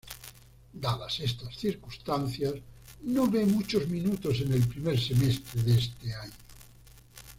Dadas estas circunstancias, no ve muchos minutos en el primer semestre de este año.